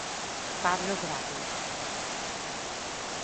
Pablo Bravo.